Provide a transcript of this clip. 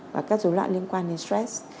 và các dấu loạn liên quan đến stress